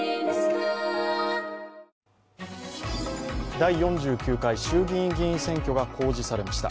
第４９回衆議院議員選挙が公示されました。